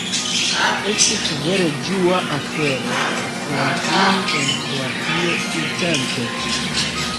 Estis vere ĝua afero esperantumi en Kroatio tiutempe.